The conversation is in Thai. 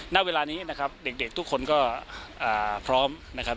ณเวลานี้นะครับเด็กทุกคนก็พร้อมนะครับ